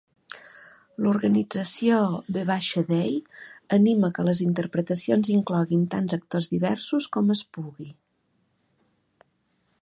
L'organització V-Day anima que les interpretacions incloguin tants actors diversos com es pugui.